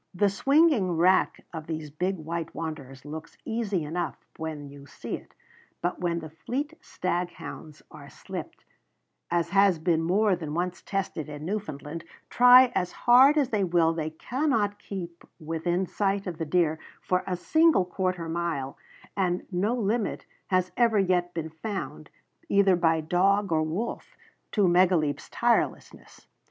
The swinging rack of these big white wanderers looks easy enough when you see it; but when the fleet staghounds are slipped, as has been more than once tested in Newfoundland, try as hard as they will they cannot keep within sight of the deer for a single quarter mile, and no limit has ever yet been found, either by dog or wolf, to Megaleep's tirelessness.